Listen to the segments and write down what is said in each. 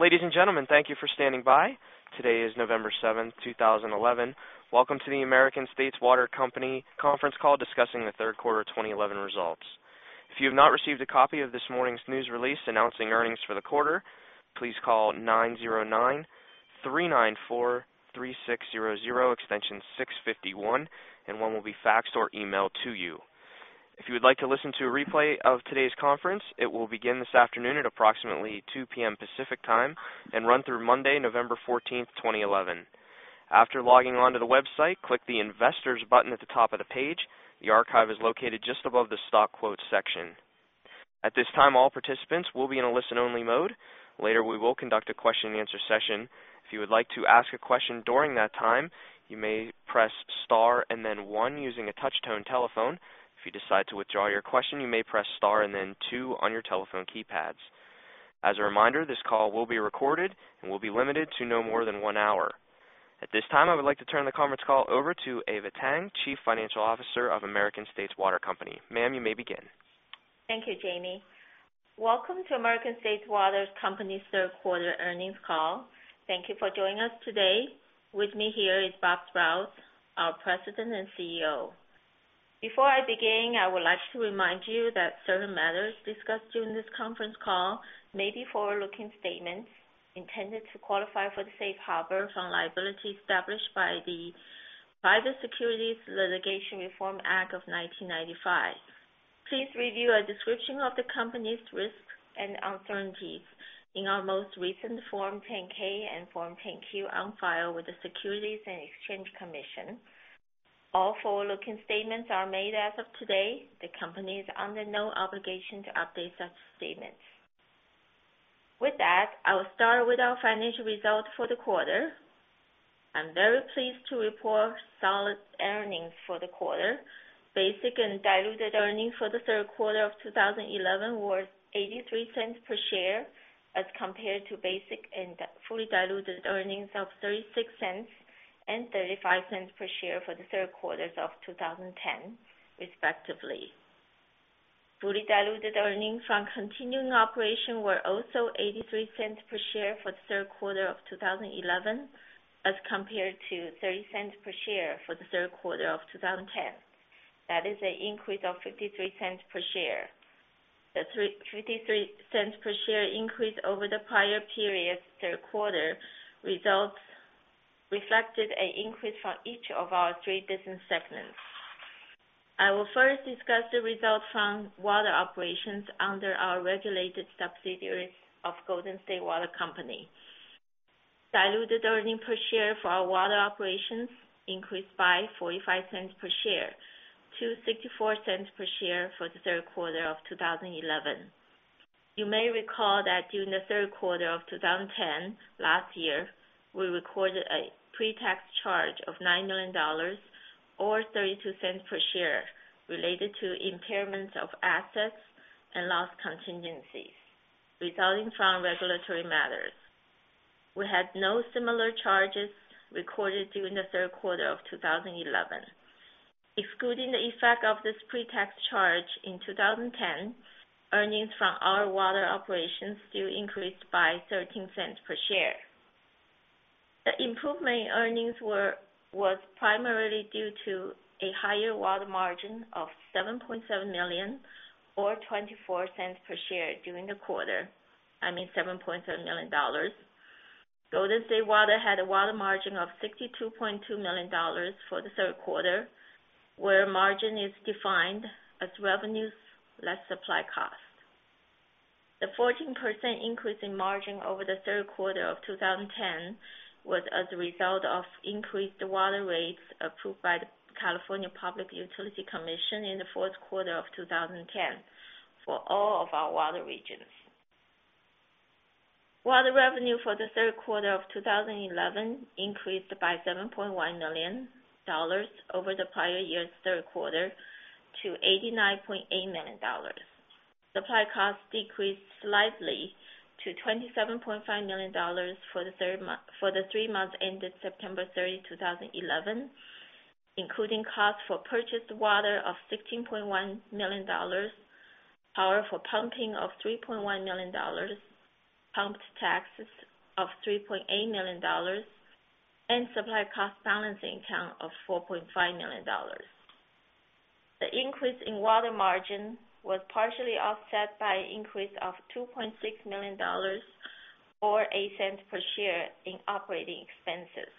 Ladies and gentlemen, thank you for standing by. Today is November 7, 2011. Welcome to the American States Water Company Conference Call discussing the third quarter 2011 results. If you have not received a copy of this morning's news release announcing earnings for the quarter, please call 909-394-3600, extension 651, and one will be faxed or emailed to you. If you would like to listen to a replay of today's conference, it will begin this afternoon at approximately 2:00 P.M. Pacific Time and run through Monday, November 14, 2011. After logging onto the website, click the Investors button at the top of the page. The archive is located just above the Stock Quotes section. At this time, all participants will be in a listen-only mode. Later, we will conduct a question and answer session. If you would like to ask a question during that time, you may press star and then one using a touch-tone telephone. If you decide to withdraw your question, you may press star and then two on your telephone keypads. As a reminder, this call will be recorded and will be limited to no more than one hour. At this time, I would like to turn the conference call over to Eva Tang, Chief Financial Officer of American States Water Company. Ma'am, you may begin. Thank you, Jamie. Welcome to American States Water Company's Third Quarter Earnings Call. Thank you for joining us today. With me here is Rob Sprowls, our President and CEO. Before I begin, I would like to remind you that certain matters discussed during this conference call may be forward-looking statements, intended to qualify for the safe harbor from liability established by the Private Securities Litigation Reform Act of 1995. Please review a description of the company's risks and alternatives in our most recent Form 10-K and Form 10-Q on file with the Securities and Exchange Commission. All forward-looking statements are made as of today. The company is under no obligation to update such statements. With that, I will start with our financial results for the quarter. I'm very pleased to report solid earnings for the quarter. Basic and diluted earnings for the third quarter of 2011 were $0.83 per share as compared to basic and fully diluted earnings of $0.36 and $0.35 per share for the third quarters of 2010, respectively. Fully diluted earnings from continuing operation were also $0.83 per share for the third quarter of 2011 as compared to $0.30 per share for the third quarter of 2010. That is an increase of $0.53 per share. The $0.53 per share increase over the prior period's third quarter results reflected an increase for each of our three business segments. I will first discuss the result from water operations under our regulated subsidiary of Golden State Water Company. Diluted earnings per share for our water operations increased by $0.45 per share to $0.64 per share for the third quarter of 2011. You may recall that during the third quarter of 2010 last year, we recorded a pre-tax charge of $9 million or $0.32 per share related to impairments of assets and lost contingencies resulting from regulatory matters. We had no similar charges recorded during the third quarter of 2011. Excluding the effect of this pre-tax charge in 2010, earnings from our water operations still increased by $0.13 per share. The improvement in earnings was primarily due to a higher water margin of $7.7 million or $0.24 per share during the quarter. I mean, $7.7 million. Golden State Water had a water margin of $62.2 million for the third quarter, where margin is defined as revenues less supply cost. The 14% increase in margin over the third quarter of 2010 was as a result of increased water rates approved by the California Public Utilities Commission in the fourth quarter of 2010 for all of our water regions. Water revenue for the third quarter of 2011 increased by $7.1 million over the prior year's third quarter to $89.8 million. Supply costs decreased slightly to $27.5 million for the three months ended September 30, 2011, including costs for purchased water of $16.1 million, power for pumping of $3.1 million, pumped taxes of $3.8 million, and supply cost balance income of $4.5 million. The increase in water margin was partially offset by an increase of $2.6 million or $0.08 per share in operating expenses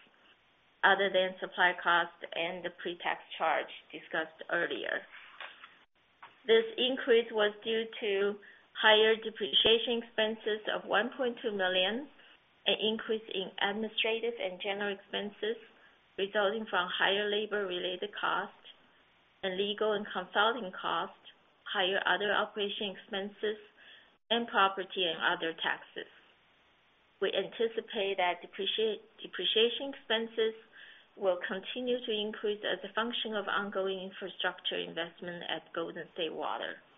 other than supply cost and the pre-tax charge discussed earlier. This increase was due to higher depreciation expenses of $1.2 million, an increase in administrative and general expenses resulting from higher labor-related costs and legal and consulting costs, higher other operation expenses, and property and other taxes. We anticipate that depreciation expenses will continue to increase as a function of ongoing infrastructure investment at Golden State Water Company.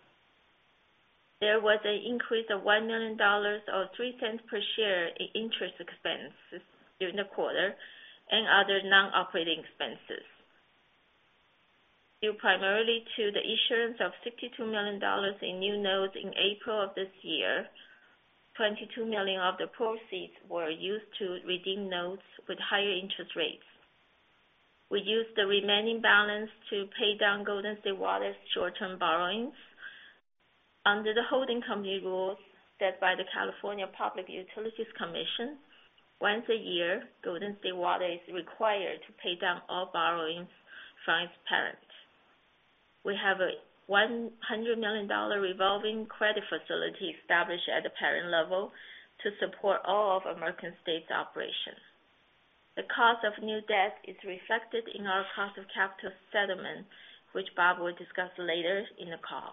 There was an increase of $1 million or $0.03 per share in interest expenses during the quarter and other non-operating expenses, due primarily to the issuance of $62 million in new notes in April of this year. $22 million of the proceeds were used to redeem notes with higher interest rates. We used the remaining balance to pay down Golden State Water Company's short-term borrowings. Under the holding company rules set by the California Public Utilities Commission, once a year, Golden State Water Company is required to pay down all borrowings from its parent. We have a $100 million revolving credit facility established at the parent level to support all of American States Water Company operations. The cost of new debt is reflected in our cost of capital settlement, which Rob will discuss later in the call.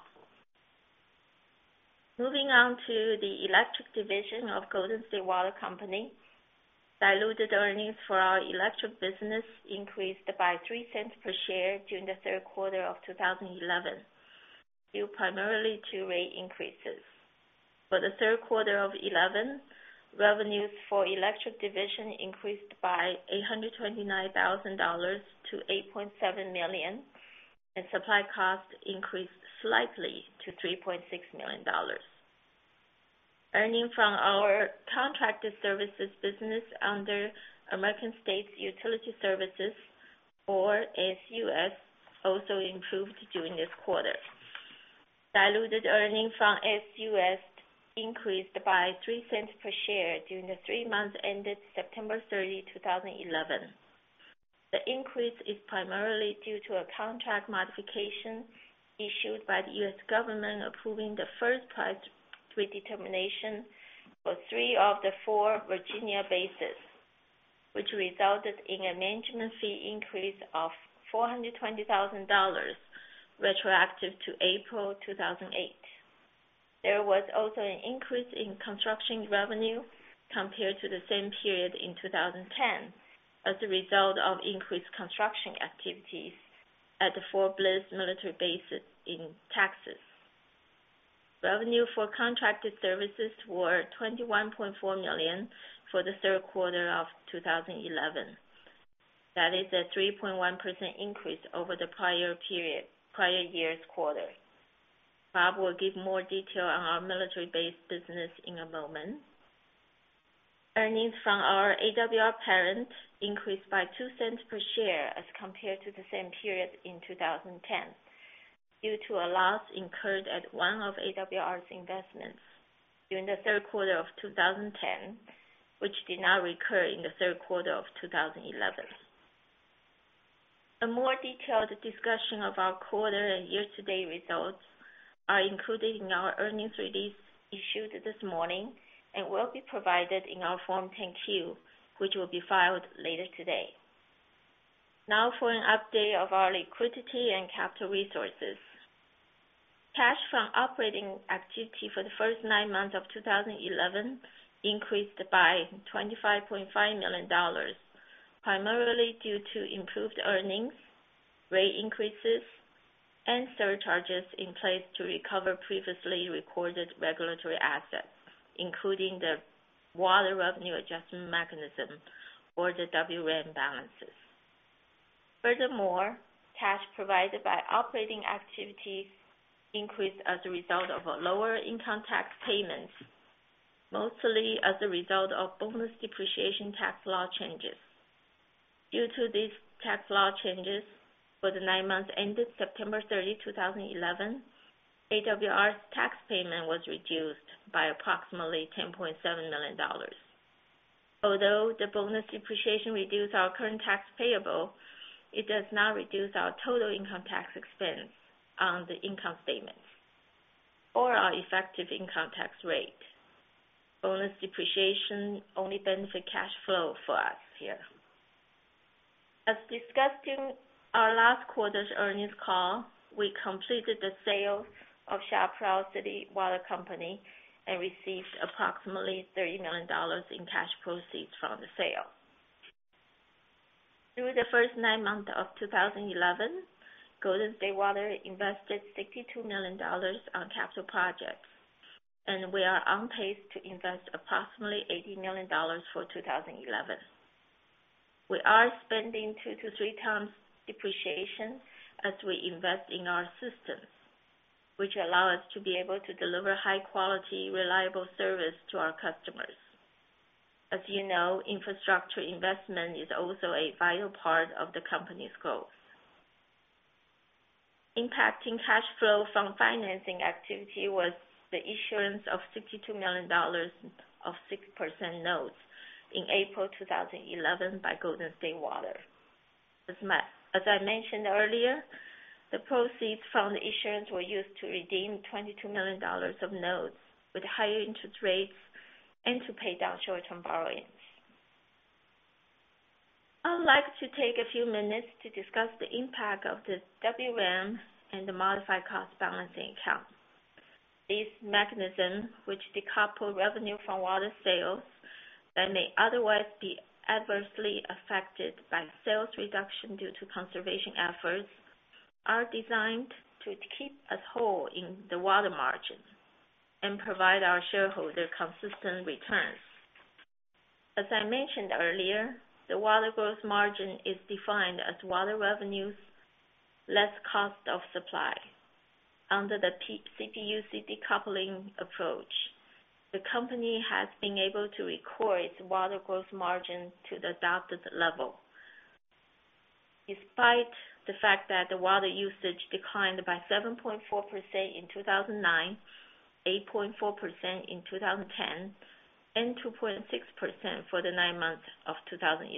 Moving on to the electric division of Golden State Water Company, diluted earnings for our electric business increased by $0.03 per share during the third quarter of 2011, due primarily to rate increases. For the third quarter of 2011, revenues for electric division increased by $829,000 to $8.7 million, and supply cost increased slightly to $3.6 million. Earnings from our contracted services business under American States Utility Services, or ASUS, also improved during this quarter. Diluted earnings from ASUS increased by $0.03 per share during the three months ended September 30, 2011. The increase is primarily due to a contract modification issued by the U.S. government approving the first price redetermination for three of the four Virginia bases, which resulted in a management fee increase of $420,000 retroactive to April 2008. There was also an increase in construction revenue compared to the same period in 2010 as a result of increased construction activities at the Fort Bliss military bases in Texas. Revenue for contracted services was $21.4 million for the third quarter of 2011. That is a 3.1% increase over the prior year's quarter. Rob will give more detail on our military base business in a moment. Earnings from our American States Water Company parent increased by $0.02 per share as compared to the same period in 2010 due to a loss incurred at one of American States Water Company's investments during the third quarter of 2010, which did not recur in the third quarter of 2011. A more detailed discussion of our quarter and year-to-date results is included in our earnings release issued this morning and will be provided in our Form 10-Q, which will be filed later today. Now for an update of our liquidity and capital resources. Cash from operating activities for the first nine months of 2011 increased by $25.5 million, primarily due to improved earnings, rate increases, and surcharges in place to recover previously recorded regulatory assets, including the water revenue adjustment mechanism or the WRAM balances. Furthermore, cash provided by operating activities increased as a result of a lower income tax payment, mostly as a result of bonus depreciation tax law changes. Due to these tax law changes for the nine months ended September 30, 2011, American States Water Company's tax payment was reduced by approximately $10.7 million. Although the bonus depreciation reduced our current tax payable, it does not reduce our total income tax expense on the income statement or our effective income tax rate. Bonus depreciation only benefits cash flow for us here. As discussed in our last quarter's earnings call, we completed the sale of Shell Peosity Water Company and received approximately $30 million in cash proceeds from the sale. During the first nine months of 2011, Golden State Water Company invested $62 million on capital projects, and we are on pace to invest approximately $80 million for 2011. We are spending two to three times depreciation as we invest in our systems, which allow us to be able to deliver high-quality, reliable service to our customers. As you know, infrastructure investment is also a vital part of the company's growth. Impacting cash flow from financing activity was the issuance of $62 million of 6% notes in April 2011 by Golden State Water Company. As I mentioned earlier, the proceeds from the issuance were used to redeem $22 million of notes with higher interest rates and to pay down short-term borrowings. I would like to take a few minutes to discuss the impact of the WRAM and the modified cost balancing account. These mechanisms, which decouple revenue from water sales that may otherwise be adversely affected by sales reduction due to conservation efforts, are designed to keep us whole in the water margin and provide our shareholder consistent returns. As I mentioned earlier, the water growth margin is defined as water revenues less cost of supply. Under the CPUC decoupling approach, the company has been able to record its water growth margins to the adopted level. Despite the fact that the water usage declined by 7.4% in 2009, 8.4% in 2010, and 2.6% for the nine months of 2011,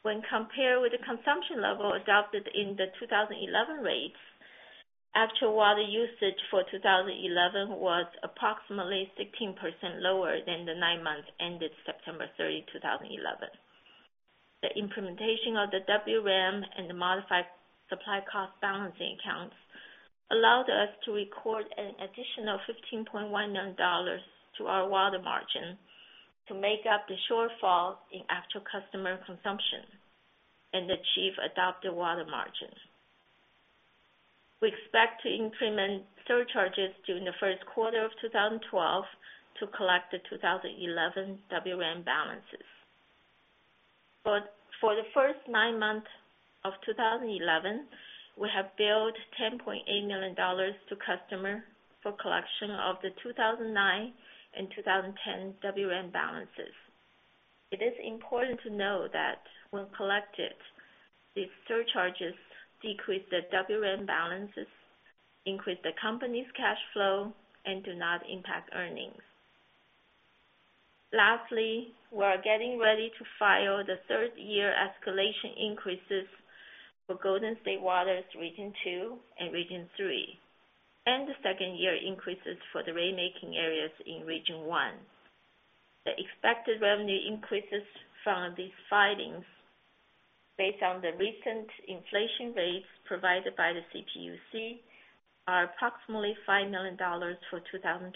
when compared with the consumption level adopted in the 2011 rates, actual water usage for 2011 was approximately 16% lower than the nine months ended September 30, 2011. The implementation of the WRAM and the modified supply cost balancing accounts allowed us to record an additional $15.1 million to our water margin to make up the shortfall in actual customer consumption and achieve adopted water margin. We expect to implement surcharges during the first quarter of 2012 to collect the 2011 WRAM balances. For the first nine months of 2011, we have billed $10.8 million to customers for collection of the 2009 and 2010 WRAM balances. It is important to know that when collected, these surcharges decrease the WRAM balances, increase the company's cash flow, and do not impact earnings. Lastly, we are getting ready to file the third-year escalation increases for Golden State Water Company's Region 2 and Region 3, and the second-year increases for the remaining areas in Region 1. The expected revenue increases from these filings, based on the recent inflation rates provided by the CPUC, are approximately $5 million for 2012.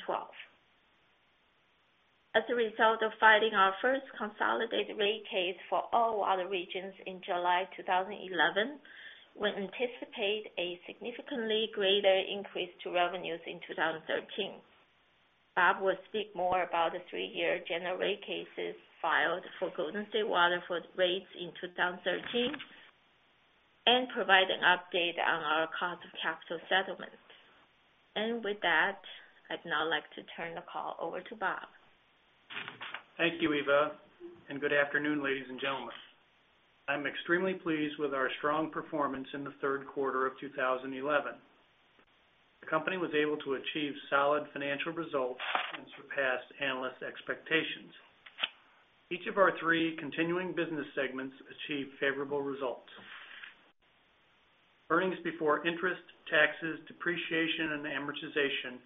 As a result of filing our first consolidated rate case for all water regions in July 2011, we anticipate a significantly greater increase to revenues in 2013. Rob will speak more about the three-year general rate cases filed for Golden State Water Company for rates in 2013 and provide an update on our cost of capital settlement. With that, I'd now like to turn the call over to Rob. Thank you, Eva, and good afternoon, ladies and gentlemen. I'm extremely pleased with our strong performance in the third quarter of 2011. The company was able to achieve solid financial results and surpassed analysts' expectations. Each of our three continuing business segments achieved favorable results. Earnings before interest, taxes, depreciation, and amortization,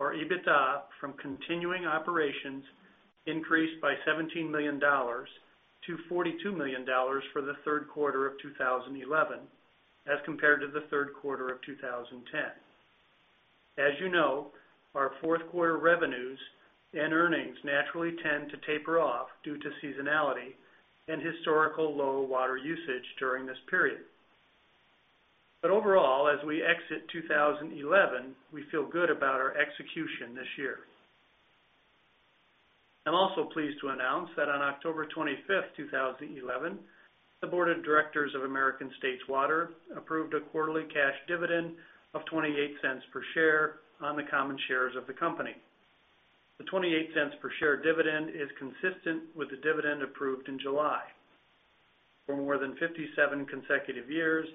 or EBITDA, from continuing operations increased by $17 million to $42 million for the third quarter of 2011 as compared to the third quarter of 2010. As you know, our fourth quarter revenues and earnings naturally tend to taper off due to seasonality and historical low water usage during this period. Overall, as we exit 2011, we feel good about our execution this year. I'm also pleased to announce that on October 25, 2011, the Board of Directors of American States Water Company approved a quarterly cash dividend of $0.28 per share on the common shares of the company. The $0.28 per share dividend is consistent with the dividend approved in July. For more than 57 consecutive years,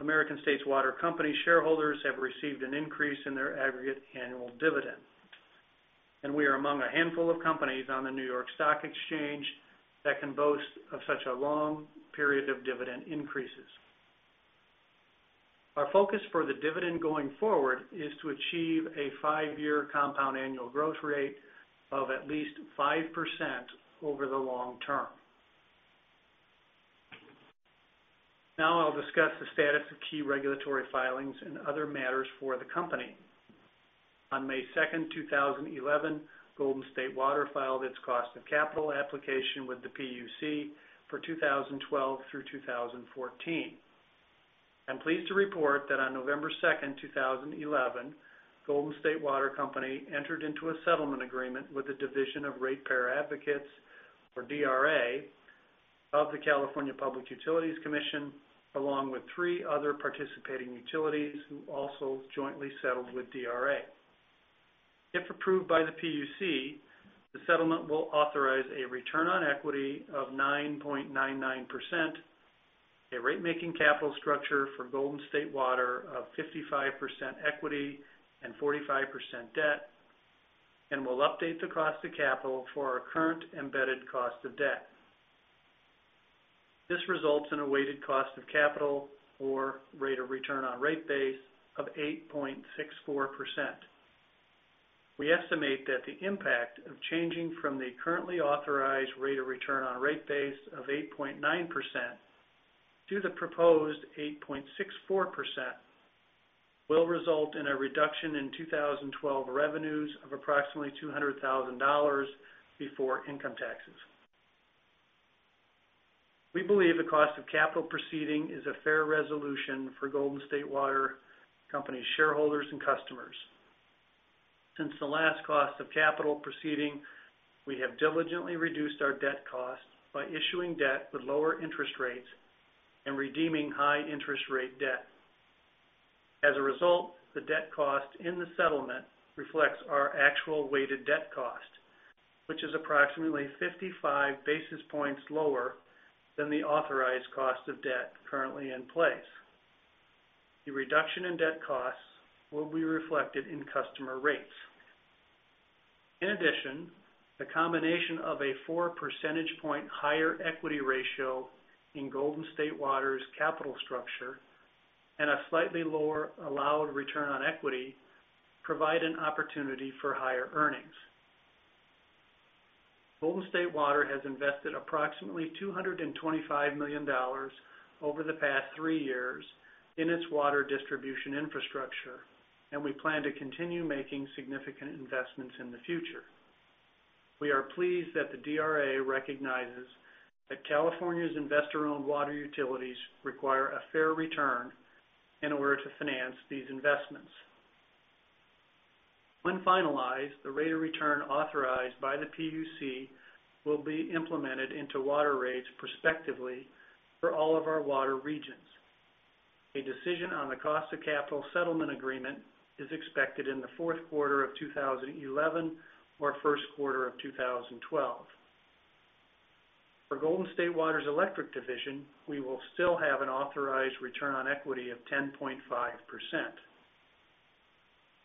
American States Water Company shareholders have received an increase in their aggregate annual dividend. We are among a handful of companies on the New York Stock Exchange that can boast of such a long period of dividend increases. Our focus for the dividend going forward is to achieve a five-year compound annual growth rate of at least 5% over the long term. Now I'll discuss the status of key regulatory filings and other matters for the company. On May 2, 2011, Golden State Water Company filed its cost of capital application with the CPUC for 2012 through 2014. I'm pleased to report that on November 2, 2011, Golden State Water Company entered into a settlement agreement with the Division of Ratepayer Advocates, or DRA, of the California Public Utilities Commission, along with three other participating utilities who also jointly settled with DRA. If approved by the CPUC, the settlement will authorize a return on equity of 9.99%, a rate-making capital structure for Golden State Water Company of 55% equity and 45% debt, and will update the cost of capital for our current embedded cost of debt. This results in a weighted cost of capital, or rate of return on rate base, of 8.64%. We estimate that the impact of changing from the currently authorized rate of return on rate base of 8.9% to the proposed 8.64% will result in a reduction in 2012 revenues of approximately $200,000 before income taxes. We believe the cost of capital proceeding is a fair resolution for Golden State Water Company shareholders and customers. Since the last cost of capital proceeding, we have diligently reduced our debt cost by issuing debt with lower interest rates and redeeming high interest rate debt. As a result, the debt cost in the settlement reflects our actual weighted debt cost, which is approximately 55 basis points lower than the authorized cost of debt currently in place. The reduction in debt costs will be reflected in customer rates. In addition, the combination of a 4% higher equity ratio in Golden State Water's capital structure and a slightly lower allowed return on equity provide an opportunity for higher earnings. Golden State Water has invested approximately $225 million over the past three years in its water distribution infrastructure, and we plan to continue making significant investments in the future. We are pleased that the Division of Ratepayer Advocates recognizes that California's investor-owned water utilities require a fair return in order to finance these investments. When finalized, the rate of return authorized by the CPUC will be implemented into water rates prospectively for all of our water regions. A decision on the cost of capital settlement agreement is expected in the fourth quarter of 2011 or first quarter of 2012. For Golden State Water's electric division, we will still have an authorized return on equity of 10.5%.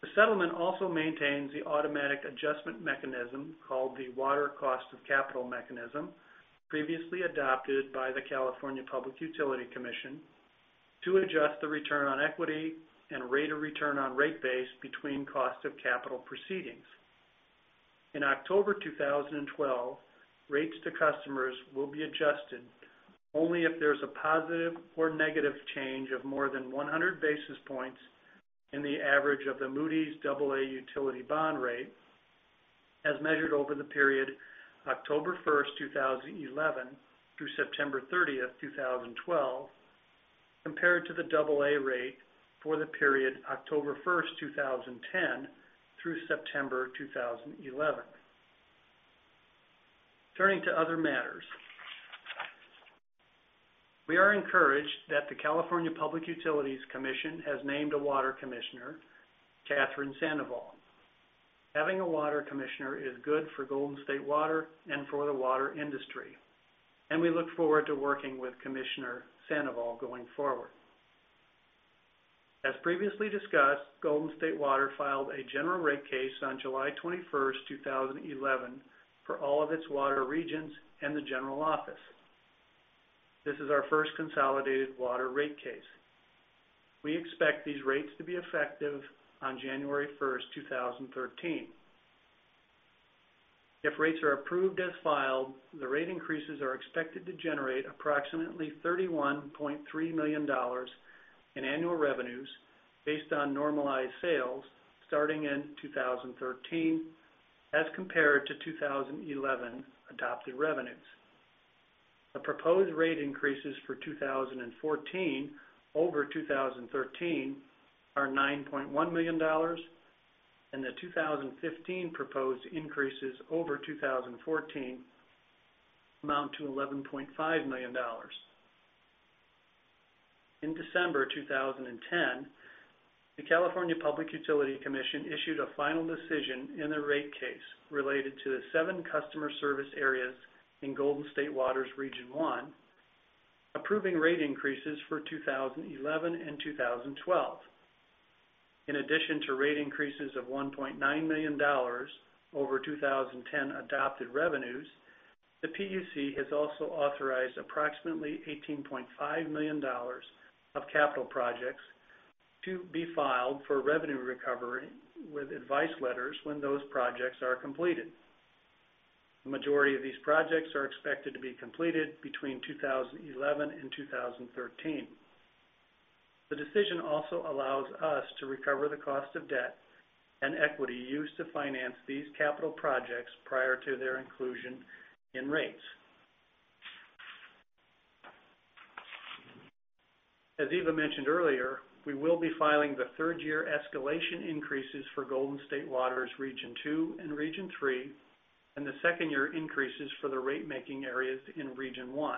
The settlement also maintains the automatic adjustment mechanism called the water cost of capital mechanism, previously adopted by the California Public Utilities Commission, to adjust the return on equity and rate of return on rate base between cost of capital proceedings. In October 2012, rates to customers will be adjusted only if there's a positive or negative change of more than 100 basis points in the average of the Moody's AA utility bond rate, as measured over the period October 1, 2011, through September 30, 2012, compared to the AA rate for the period October 1, 2010, through September 2011. Turning to other matters, we are encouraged that the California Public Utilities Commission has named a water commissioner, Katherine Sandoval. Having a water commissioner is good for Golden State Water and for the water industry, and we look forward to working with Commissioner Sandoval going forward. As previously discussed, Golden State Water Company filed a general rate case on July 21, 2011, for all of its water regions and the general office. This is our first consolidated water rate case. We expect these rates to be effective on January 1, 2013. If rates are approved as filed, the rate increases are expected to generate approximately $31.3 million in annual revenues based on normalized sales starting in 2013 as compared to 2011 adopted revenues. The proposed rate increases for 2014 over 2013 are $9.1 million, and the 2015 proposed increases over 2014 amount to $11.5 million. In December 2010, the California Public Utilities Commission issued a final decision in the rate case related to the seven customer service areas in Golden State Water Company's Region 1, approving rate increases for 2011 and 2012. In addition to rate increases of $1.9 million over 2010 adopted revenues, the CPUC has also authorized approximately $18.5 million of capital projects to be filed for revenue recovery with advice letters when those projects are completed. The majority of these projects are expected to be completed between 2011 and 2013. The decision also allows us to recover the cost of debt and equity used to finance these capital projects prior to their inclusion in rates. As Eva Tang mentioned earlier, we will be filing the third-year escalation increases for Golden State Water Company's Region 2 and Region 3, and the second-year increases for the rate-making areas in Region 1.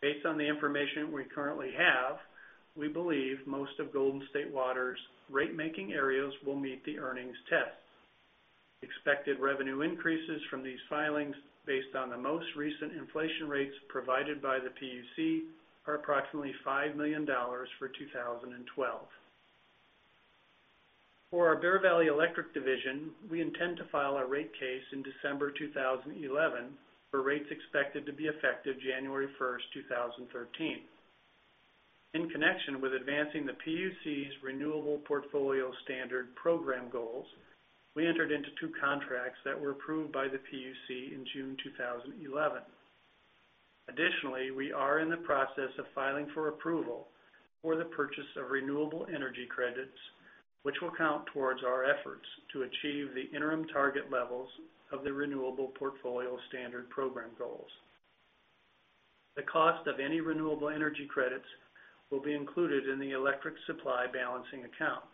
Based on the information we currently have, we believe most of Golden State Water Company's rate-making areas will meet the earnings test. The expected revenue increases from these filings, based on the most recent inflation rates provided by the CPUC, are approximately $5 million for 2012. For our Bear Valley Electric division, we intend to file our rate case in December 2011 for rates expected to be effective January 1, 2013. In connection with advancing the CPUC's renewable portfolio standard program goals, we entered into two contracts that were approved by the CPUC in June 2011. Additionally, we are in the process of filing for approval for the purchase of renewable energy credits, which will count towards our efforts to achieve the interim target levels of the renewable portfolio standard program goals. The cost of any renewable energy credits will be included in the electric supply balancing account.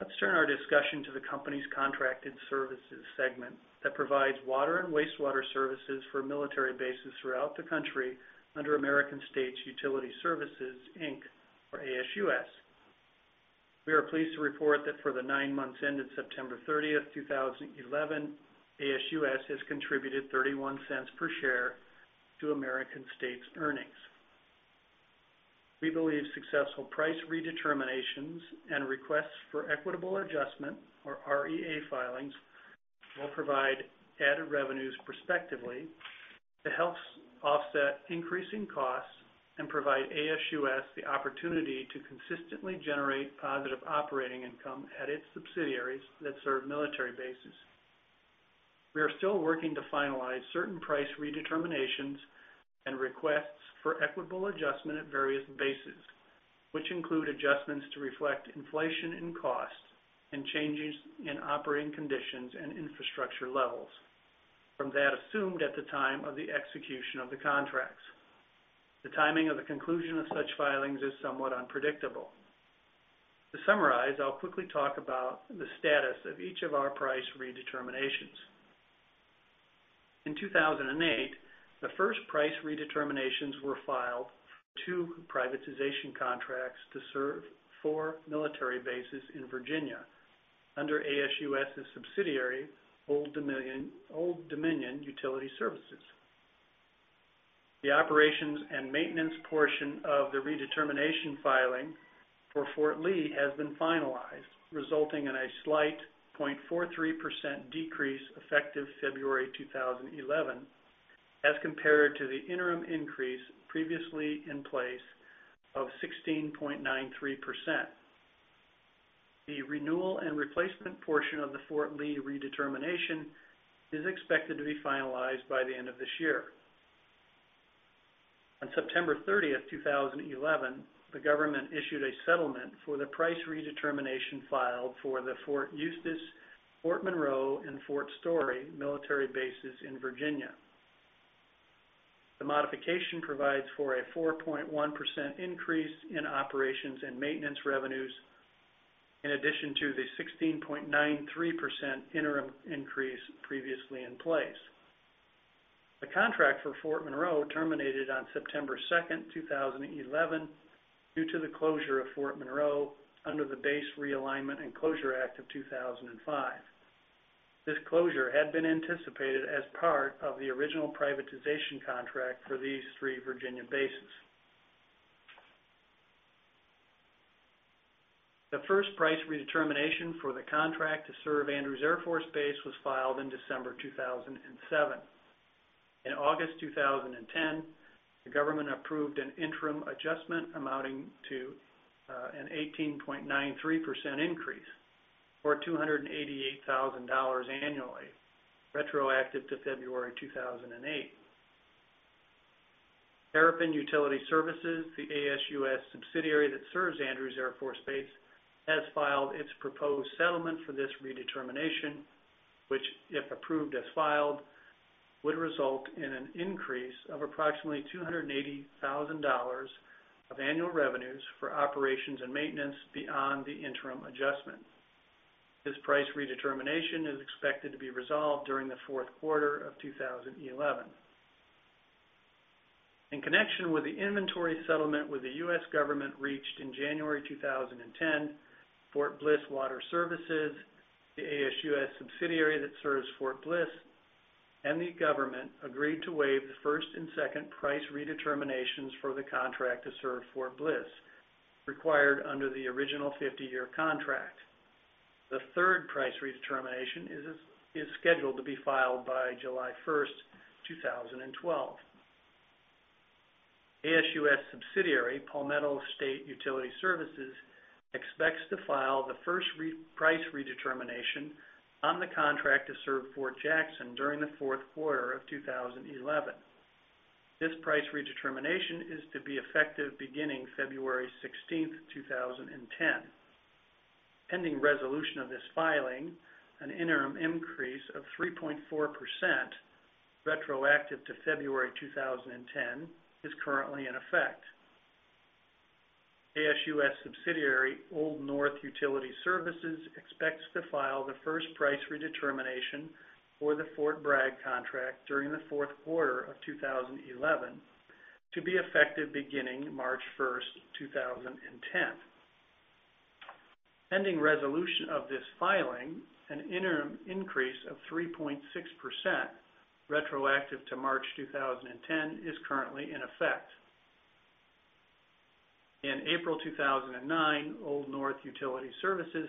Let's turn our discussion to the company's contracted services segment that provides water and wastewater services for military bases throughout the country under American States Utility Services, Inc. or ASUS. We are pleased to report that for the nine months ended September 30, 2011, ASUS has contributed $0.31 per share to American States Water Company earnings. We believe successful price redeterminations and requests for equitable adjustment, or REA, filings will provide added revenues prospectively to help offset increasing costs and provide ASUS the opportunity to consistently generate positive operating income at its subsidiaries that serve military bases. We are still working to finalize certain price redeterminations and requests for equitable adjustment at various bases, which include adjustments to reflect inflation in cost and changes in operating conditions and infrastructure levels from that assumed at the time of the execution of the contracts. The timing of the conclusion of such filings is somewhat unpredictable. To summarize, I'll quickly talk about the status of each of our price redeterminations. In 2008, the first price redeterminations were filed for two privatization contracts to serve four military bases in Virginia under ASUS's subsidiary, Old Dominion Utility Services. The operations and maintenance portion of the redetermination filing for Fort Lee has been finalized, resulting in a slight 0.43% decrease effective February 2011 as compared to the interim increase previously in place of 16.93%. The renewal and replacement portion of the Fort Lee redetermination is expected to be finalized by the end of this year. On September 30, 2011, the government issued a settlement for the price redetermination filed for the Fort Eustis, Fort Monroe, and Fort Story military bases in Virginia. The modification provides for a 4.1% increase in operations and maintenance revenues in addition to the 16.93% interim increase previously in place. The contract for Fort Monroe terminated on September 2, 2011, due to the closure of Fort Monroe under the Base Realignment and Closure Act of 2005. This closure had been anticipated as part of the original privatization contract for these three Virginia bases. The first price redetermination for the contract to serve Andrews Air Force Base was filed in December 2007. In August 2010, the government approved an interim adjustment amounting to an 18.93% increase or $288,000 annually retroactive to February 2008. American States Utility Services, the ASUS subsidiary that serves Andrews Air Force Base, has filed its proposed settlement for this redetermination, which, if approved as filed, would result in an increase of approximately $280,000 of annual revenues for operations and maintenance beyond the interim adjustment. This price redetermination is expected to be resolved during the fourth quarter of 2011. In connection with the inventory settlement with the U.S. government reached in January 2010, Fort Bliss Water Services, the ASUS subsidiary that serves Fort Bliss, and the government agreed to waive the first and second price redeterminations for the contract to serve Fort Bliss required under the original 50-year contract. The third price redetermination is scheduled to be filed by July 1, 2012. ASUS subsidiary, Palmetto State Utility Services, expects to file the first price redetermination on the contract to serve Fort Jackson during the fourth quarter of 2011. This price redetermination is to be effective beginning February 16, 2010. Pending resolution of this filing, an interim increase of 3.4% retroactive to February 2010 is currently in effect. ASUS subsidiary, Old North Utility Services, expects to file the first price redetermination for the Fort Bragg contract during the fourth quarter of 2011 to be effective beginning March 1, 2010. Pending resolution of this filing, an interim increase of 3.6% retroactive to March 2010 is currently in effect. In April 2009, Old North Utility Services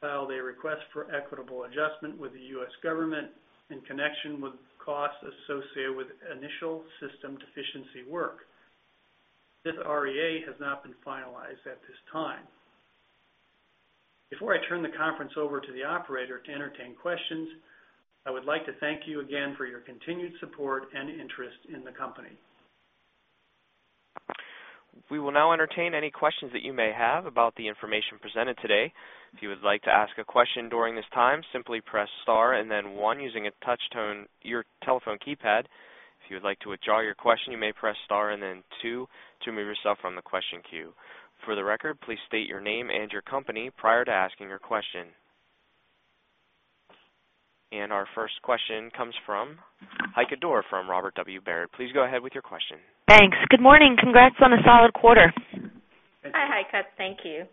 filed a request for equitable adjustment with the U.S. government in connection with costs associated with initial system deficiency work. This REA has not been finalized at this time. Before I turn the conference over to the operator to entertain questions, I would like to thank you again for your continued support and interest in the company. We will now entertain any questions that you may have about the information presented today. If you would like to ask a question during this time, simply press star and then one using a touch-tone telephone keypad. If you would like to withdraw your question, you may press star and then two to move yourself from the question queue. For the record, please state your name and your company prior to asking your question. Our first question comes from Hika Doerr from Robert W. Baird. Please go ahead with your question. Thanks. Good morning. Congrats on a solid quarter. Hi, Heike. Thank you.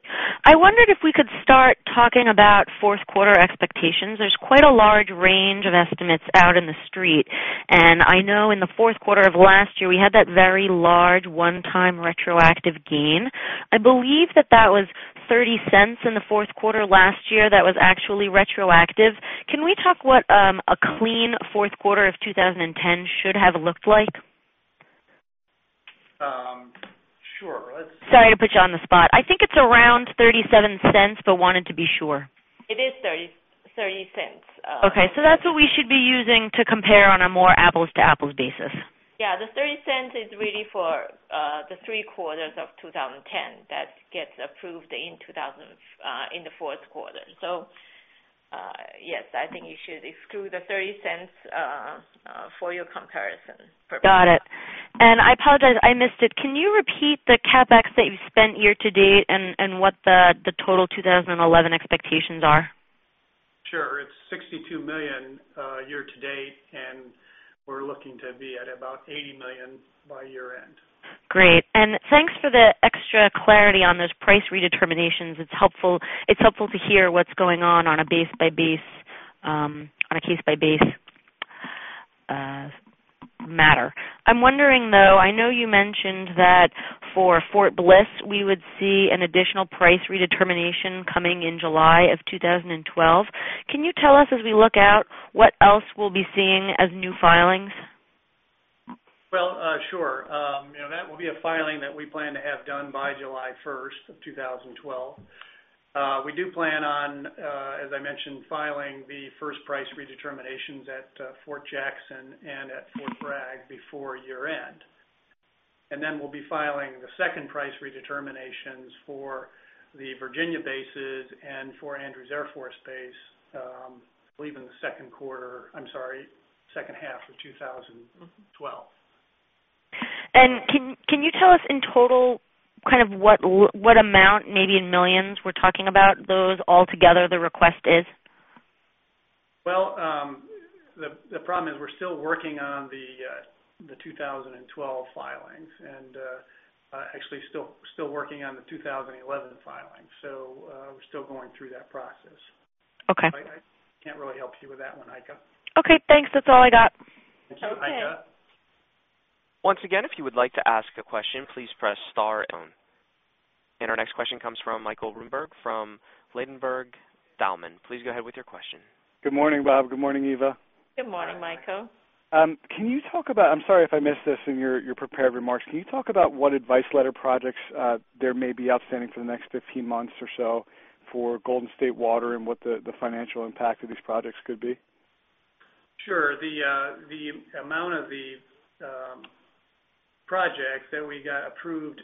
I wondered if we could start talking about fourth quarter expectations. There's quite a large range of estimates out in the street, and I know in the fourth quarter of last year we had that very large one-time retroactive gain. I believe that that was $0.30 in the fourth quarter last year that was actually retroactive. Can we talk what a clean fourth quarter of 2010 should have looked like? Sure. Sorry to put you on the spot. I think it's around $0.37, but wanted to be sure. It is $0.30. Okay, that's what we should be using to compare on a more apples-to-apples basis. Yeah, the $0.30 is really for the three quarters of 2010 that gets approved in the fourth quarter. Yes, I think you should exclude the $0.30 for your comparison. Got it. I apologize, I missed it. Can you repeat the CapEx that you've spent year to date and what the total 2011 expectations are? Sure. It's $62 million year to date, and we're looking to be at about $80 million by year-end. Great. Thanks for the extra clarity on those price redeterminations. It's helpful to hear what's going on on a case-by-case matter. I'm wondering, though, I know you mentioned that for Fort Bliss we would see an additional price redetermination coming in July 2012. Can you tell us as we look out what else we'll be seeing as new filings? That will be a filing that we plan to have done by July 1, 2012. We do plan on, as I mentioned, filing the first price redeterminations at Fort Jackson and at Fort Bragg before year-end. We'll be filing the second price redeterminations for the Virginia bases and for Andrews Air Force Base, I believe in the second half of 2012. Can you tell us in total kind of what amount, maybe in millions we're talking about, those altogether the request is? The problem is we're still working on the 2012 filings and actually still working on the 2011 filings. We're still going through that process. I can't really help you with that one, Hika. Okay, thanks. That's all I got. Okay. Once again, if you would like to ask a question, please press star. Our next question comes from Michael Roomberg from Lindenberg Daumen. Please go ahead with your question. Good morning, Rob. Good morning, Eva. Good morning, Michael. Can you talk about, I'm sorry if I missed this in your prepared remarks, can you talk about what advice letter projects there may be outstanding for the next 15 months or so for Golden State Water and what the financial impact of these projects could be? Sure. The amount of the projects that we got approved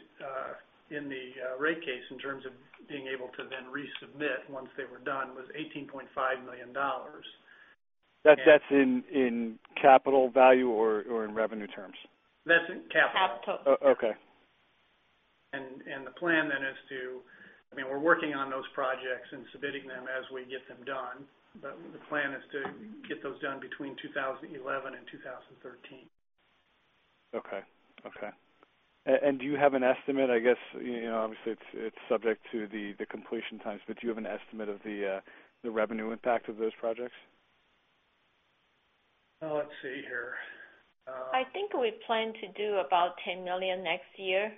in the rate case in terms of being able to then resubmit once they were done was $18.5 million. That's in capital value or in revenue terms? That's capital. Capital. Okay. The plan is to, I mean, we're working on those projects and submitting them as we get them done, but the plan is to get those done between 2011 and 2013. Okay. Do you have an estimate, I guess, you know, obviously, it's subject to the completion times, but do you have an estimate of the revenue impact of those projects? Let's see here. I think we plan to do about $10 million next year.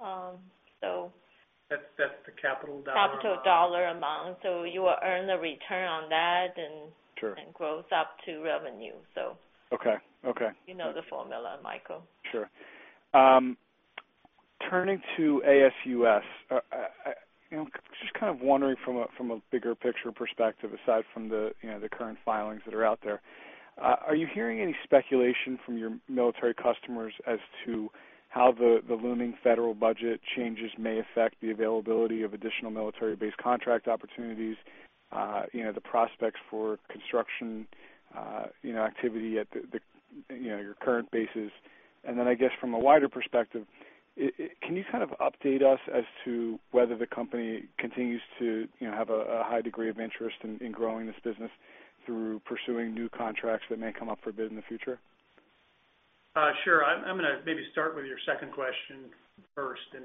That's the capital dollar. Capital dollar amount. You will earn the return on that and growth up to revenue. Okay, okay, you know the formula, Michael. Sure. Turning to ASUS, just kind of wondering from a bigger picture perspective, aside from the current filings that are out there, are you hearing any speculation from your military customers as to how the looming federal budget changes may affect the availability of additional military base contract opportunities, the prospects for construction activity at your current bases? From a wider perspective, can you update us as to whether the company continues to have a high degree of interest in growing this business through pursuing new contracts that may come up for bid in the future? Sure. I'm going to maybe start with your second question first. The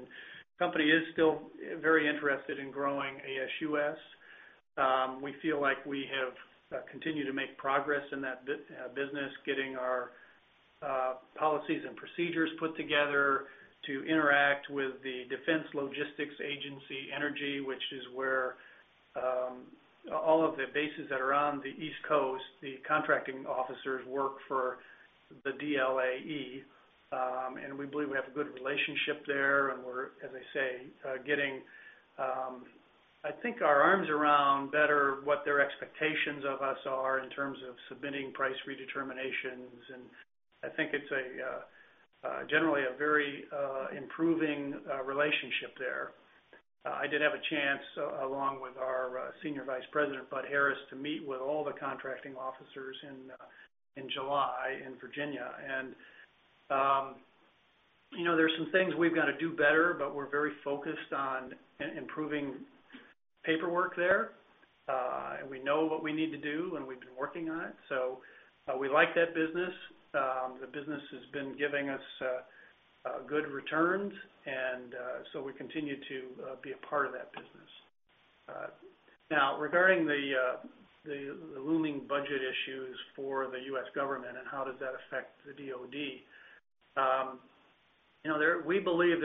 company is still very interested in growing ASUS. We feel like we have continued to make progress in that business, getting our policies and procedures put together to interact with the Defense Logistics Agency Energy, which is where all of the bases that are on the East Coast, the contracting officers work for the DLAE. We believe we have a good relationship there, and we're, as I say, getting I think our arms around better what their expectations of us are in terms of submitting price redeterminations. I think it's generally a very improving relationship there. I did have a chance, along with our Senior Vice President, Bud Harris, to meet with all the contracting officers in July in Virginia. There's some things we've got to do better, but we're very focused on improving paperwork there. We know what we need to do, and we've been working on it. We like that business. The business has been giving us good returns, and we continue to be a part of that business. Now, regarding the looming budget issues for the U.S. government and how does that affect the DOD, we believe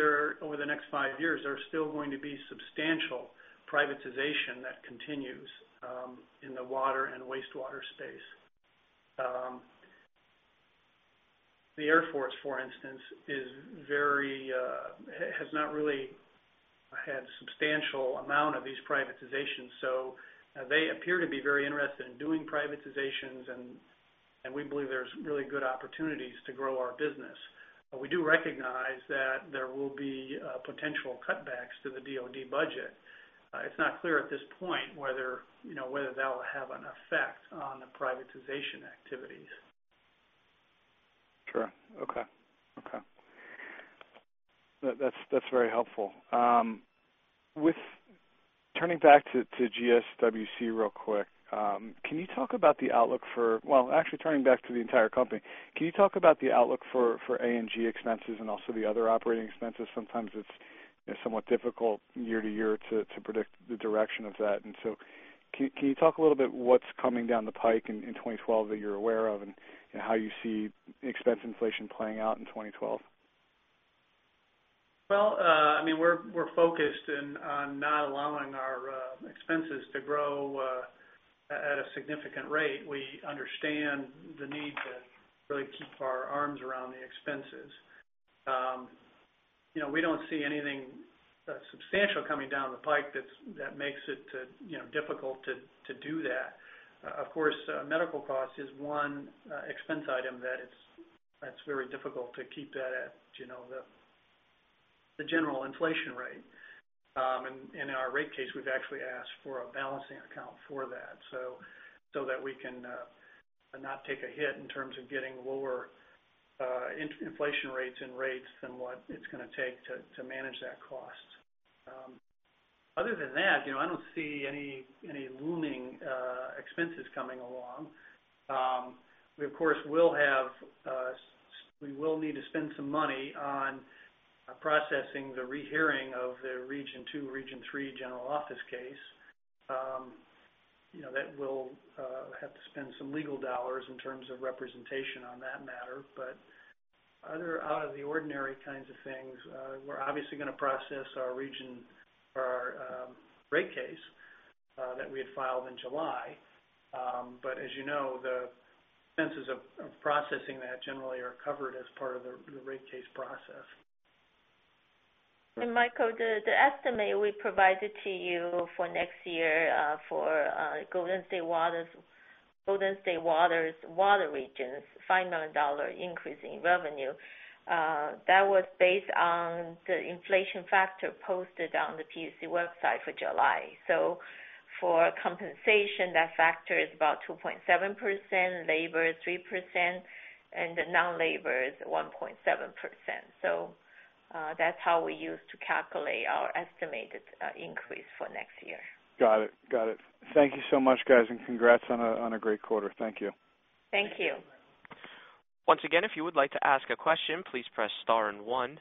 over the next five years, there's still going to be substantial privatization that continues in the water and wastewater space. The Air Force, for instance, has not really had a substantial amount of these privatizations. They appear to be very interested in doing privatizations, and we believe there's really good opportunities to grow our business. We do recognize that there will be potential cutbacks to the DOD budget. It's not clear at this point whether that will have an effect on the privatization activities. Sure. Okay. That's very helpful. Turning back to Golden State Water Company real quick, can you talk about the outlook for, actually, turning back to the entire company, can you talk about the outlook for A&G expenses and also the other operating expenses? Sometimes it's somewhat difficult year to year to predict the direction of that. Can you talk a little bit about what's coming down the pike in 2012 that you're aware of and how you see expense inflation playing out in 2012? We are focused on not allowing our expenses to grow at a significant rate. We understand the need to really keep our arms around the expenses. We don't see anything substantial coming down the pike that makes it difficult to do that. Of course, medical cost is one expense item that it's very difficult to keep at the general inflation rate. In our rate case, we've actually asked for a balancing account for that so that we can not take a hit in terms of getting lower inflation rates and rates than what it's going to take to manage that cost. Other than that, I don't see any looming expenses coming along. We, of course, will need to spend some money on processing the rehearing of the Region 2, Region 3 general office case. We will have to spend some legal dollars in terms of representation on that matter. Other out-of-the-ordinary kinds of things, we're obviously going to process our region or our rate case that we had filed in July. As you know, the expenses of processing that generally are covered as part of the rate case process. Michael, the estimate we provided to you for next year for Golden State Water Company's water regions, $5 million increase in revenue, was based on the inflation factor posted on the CPUC website for July. For compensation, that factor is about 2.7%, labor 3%, and the non-labor is 1.7%. That is how we used to calculate our estimated increase for next year. Got it. Thank you so much, guys, and congrats on a great quarter. Thank you. Thank you. Once again, if you would like to ask a question, please press star and one.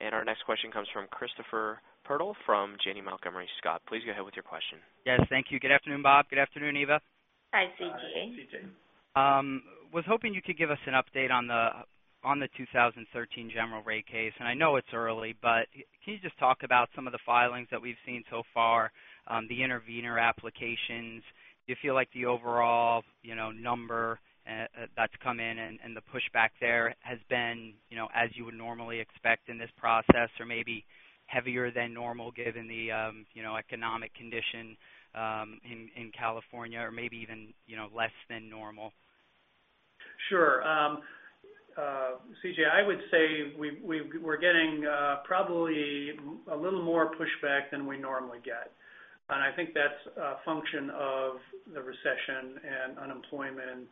Our next question comes from Christopher Pirtle from Janney Montgomery Scott. Please go ahead with your question. Yes. Thank you. Good afternoon, Rob. Good afternoon, Eva. Hi, CJ. Was hoping you could give us an update on the 2013 general rate case. I know it's early, but can you just talk about some of the filings that we've seen so far, the intervener applications? Do you feel like the overall number that's come in and the pushback there has been as you would normally expect in this process or maybe heavier than normal given the economic condition in California or maybe even less than normal? Sure. CJ, I would say we're getting probably a little more pushback than we normally get. I think that's a function of the recession and unemployment.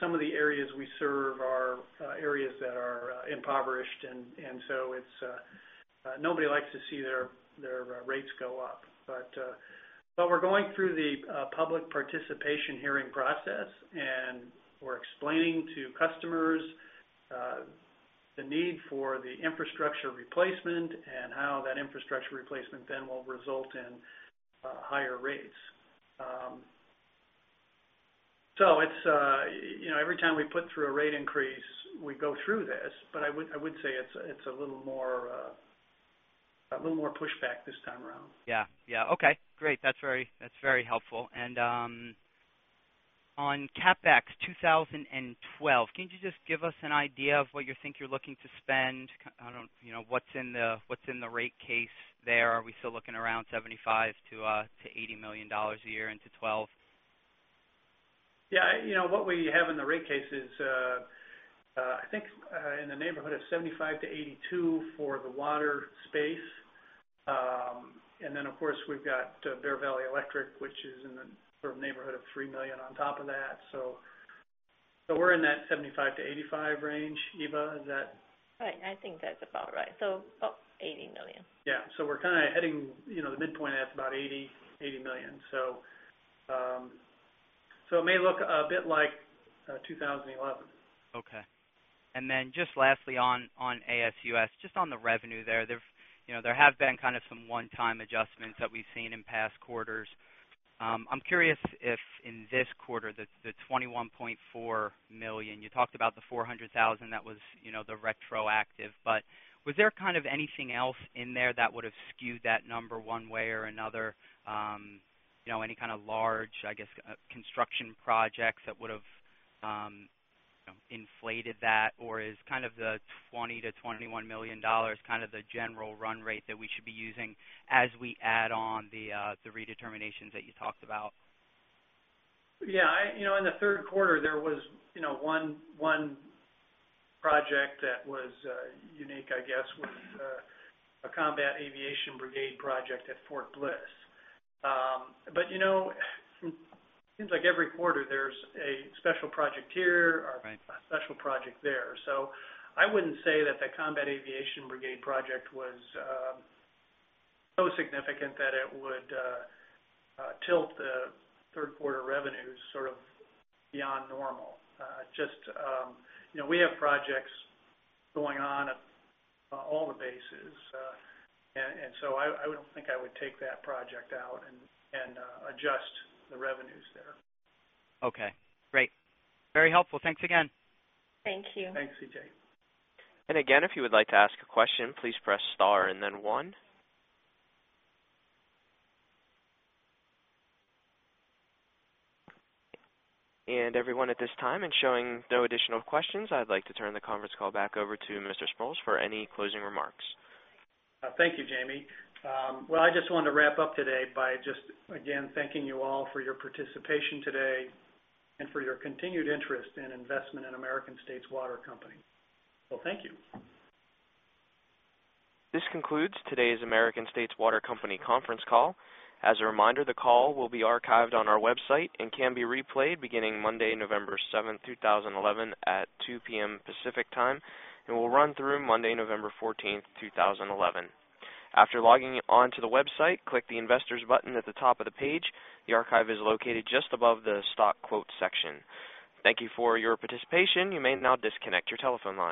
Some of the areas we serve are areas that are impoverished, and nobody likes to see their rates go up. We're going through the public participation hearing process, and we're explaining to customers the need for the infrastructure replacement and how that infrastructure replacement then will result in higher rates. Every time we put through a rate increase, we go through this, but I would say it's a little more pushback this time around. Okay. Great. That's very helpful. On CapEx 2012, can you just give us an idea of what you think you're looking to spend? I don't know what's in the rate case there. Are we still looking around $75 to $80 million a year into 2012? Yeah. You know, what we have in the rate case is, I think, in the neighborhood of $75 million to $82 million for the water space. Then, of course, we've got Bear Valley Electric, which is in the sort of neighborhood of $3 million on top of that. We're in that $75 million to $85 million range. Eva, is that? Right. I think that's about right, so about $80 million. Yeah, we're kind of heading, you know, the midpoint at about $80 million. It may look a bit like 2011. Okay. Lastly, on ASUS, just on the revenue there, there have been kind of some one-time adjustments that we've seen in past quarters. I'm curious if in this quarter, the $21.4 million, you talked about the $400,000 that was the retroactive, but was there anything else in there that would have skewed that number one way or another? Any kind of large, I guess, construction projects that would have inflated that, or is the $20 to $21 million kind of the general run rate that we should be using as we add on the redeterminations that you talked about? Yeah, you know, in the third quarter, there was one project that was unique, I guess, it was a Combat Aviation Brigade project at Fort Bliss. You know, it seems like every quarter there's a special project here or a special project there. I wouldn't say that the Combat Aviation Brigade project was so significant that it would tilt the third quarter revenues sort of beyond normal. We have projects going on at all the bases, so I wouldn't think I would take that project out and adjust the revenues there. Okay. Great. Very helpful. Thanks again. Thank you. Thanks, CJ. If you would like to ask a question, please press star and then one. At this time, showing no additional questions, I'd like to turn the conference call back over to Mr. Sprowls for any closing remarks. Thank you, Jamie. I just wanted to wrap up today by thanking you all for your participation today and for your continued interest in investment in American States Water Company. Thank you. This concludes today's American States Water Company conference call. As a reminder, the call will be archived on our website and can be replayed beginning Monday, November 7, 2011, at 2:00 P.M. Pacific Time and will run through Monday, November 14, 2011. After logging onto the website, click the Investors button at the top of the page. The archive is located just above the Stock Quote section. Thank you for your participation. You may now disconnect your telephone line.